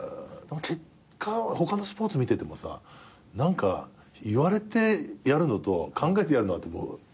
結果他のスポーツ見ててもさ何か言われてやるのと考えてやるのと雲泥の差つくね。